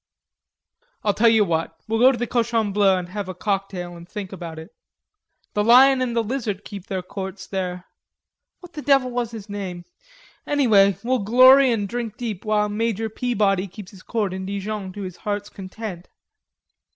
"I'll tell you what; we'll go to the Cochon Bleu and have a cocktail and think about it." "The lion and the lizard keep their courts where... what the devil was his name? Anyway, we'll glory and drink deep, while Major Peabody keeps his court in Dijon to his heart's content."